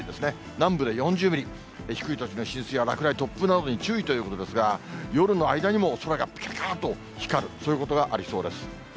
南部で４０ミリ、低い土地の浸水や落雷、突風などに注意ということですが、夜の間にも空がぴかぴかっと光る、そういうことがありそうです。